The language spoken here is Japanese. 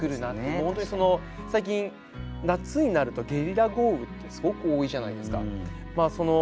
本当に最近夏になるとゲリラ豪雨ってすごく多いじゃないですか。